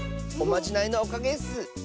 おまじないのおかげッス。